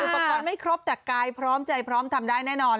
อุปกรณ์ไม่ครบแต่กายพร้อมใจพร้อมทำได้แน่นอน